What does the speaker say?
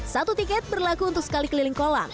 satu tiket berlaku untuk sekali keliling kolam